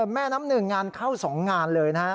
แม่น้ำหนึ่งงานเข้า๒งานเลยนะฮะ